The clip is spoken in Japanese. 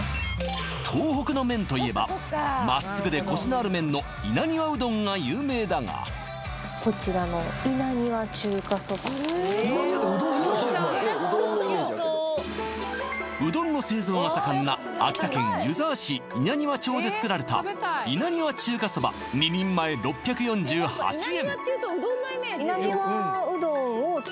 東北の麺といえばまっすぐでコシのある麺の稲庭うどんが有名だがこちらのうどんの製造が盛んな秋田県湯沢市稲庭町で作られた稲庭中華そば２人前６４８円